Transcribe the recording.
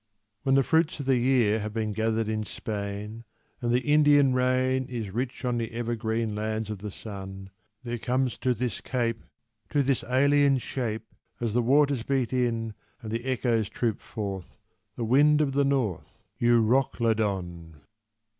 When the fruits of the year Have been gathered in Spain, And the Indian rain Is rich on the evergreen lands of the Sun, There comes to this Cape To this alien Shape, As the waters beat in and the echoes troop forth, The Wind of the North, Euroclydon!